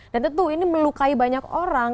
dan tentu ini melukai banyak orang